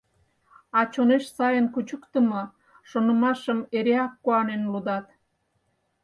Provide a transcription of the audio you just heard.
А чонеш сайын «кучыктымо» шонымашым эреак куанен лудат.